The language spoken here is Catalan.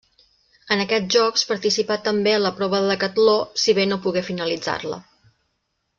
En aquests Jocs participà també en la prova de decatló, si bé no pogué finalitzar-la.